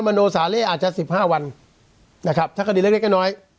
โนสาเล่อาจจะสิบห้าวันนะครับถ้าคดีเล็กเล็กน้อย